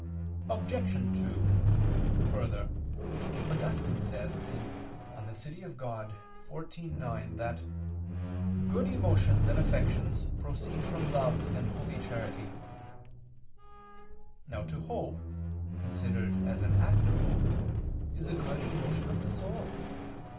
Obj. 2: Further, Augustine says (De Civ. Dei xiv, 9) that "good emotions and affections proceed from love and holy charity." Now to hope, considered as an act of hope, is a good emotion of the soul.